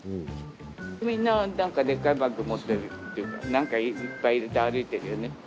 みんなでっかいバッグ持ってるっていうか、なんかいっぱい入れて歩いてるよね。